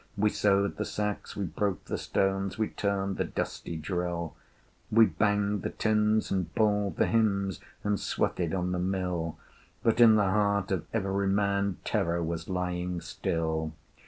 We sewed the sacks, we broke the stones, We turned the dusty drill: We banged the tins, and bawled the hymns, And sweated on the mill: But in the heart of every man Terror was lying still.